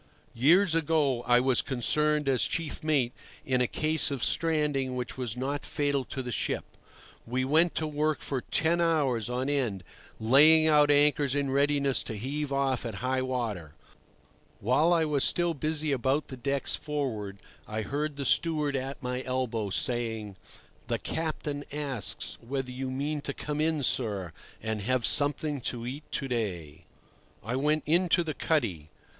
Years ago I was concerned as chief mate in a case of stranding which was not fatal to the ship. We went to work for ten hours on end, laying out anchors in readiness to heave off at high water. While I was still busy about the decks forward I heard the steward at my elbow saying: "The captain asks whether you mean to come in, sir, and have something to eat to day." I went into the cuddy.